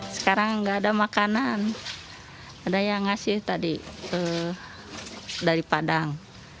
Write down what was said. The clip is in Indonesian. sekarang nggak ada makanan ada yang ngasih tadi dari padang